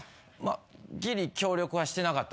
ギリ協力はしてなかった。